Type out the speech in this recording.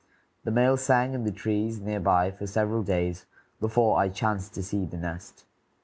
The male sang in the trees near by for several days before I chanced to see the nest.